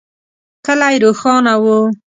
کلی روښانه و.